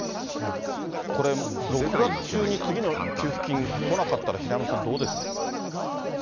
これ６月中に次の給付金来なかったら平山さん、どうですか？